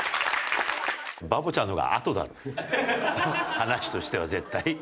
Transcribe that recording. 話としては絶対。